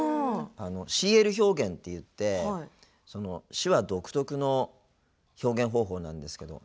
ＣＬ表現っていって、手話独特の表現方法なんですけど。